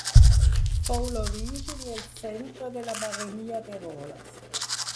Fou l'origen i el centre de la baronia d'Eroles.